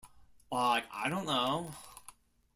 Like, I don't know.